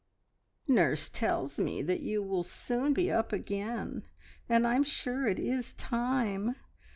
"Nurse tells me that you will soon be up again, and I'm sure it is time.